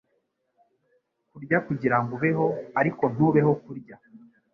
Kurya kugirango ubeho, ariko ntubeho kurya